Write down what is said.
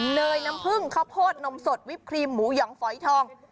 เนยน้ำผึ้งข้าวโพดนมสดวิปครีมหมูหยองฝอยทอง